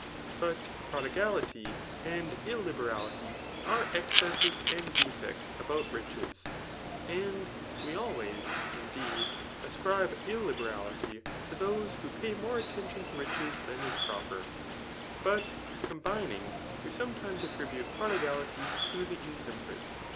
Bat prodigality and ilU^ betafity are excesses and defects about riches. And we always^ indeed, ascribe flliberality to thoss^ who pay mone atmtion to ridies than is proper j but combiiBng, we sometime* anibate prod%aUty to tlie insen^icnte.